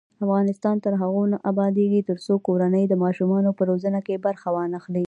افغانستان تر هغو نه ابادیږي، ترڅو کورنۍ د ماشومانو په روزنه کې برخه وانخلي.